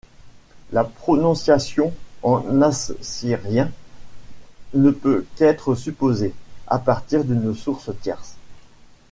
La prononciation en assyrien ne peut qu'être supposée, à partir d'une source tierce.